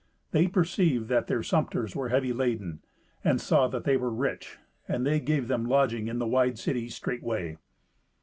They perceived that their sumpters were heavy laden, and saw that they were rich; and they gave them lodging in the wide city straightway.